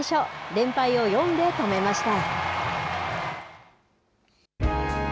連敗を４で止めました。